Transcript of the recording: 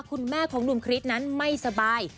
คุณแม่ของหนุ่มคริสนั้นไม่สบาย